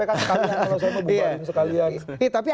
sekalian kalau saya mau buka ini sekalian